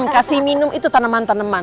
kasih minum itu taneman taneman